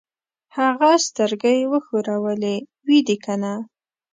هغه سترګۍ وښورولې: وي دې کنه؟